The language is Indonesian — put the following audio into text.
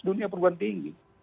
dunia perguruan tinggi